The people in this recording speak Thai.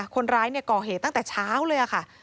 คนร้ายก่อเหตุตั้งแต่เช้าเลยค่ะ